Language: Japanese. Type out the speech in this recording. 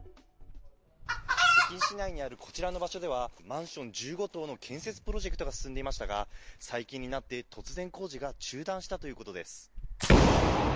北京市内にあるこちらの場所では、マンション１５棟の建設プロジェクトが進んでいましたが、最近になって突然工事が中断したということです。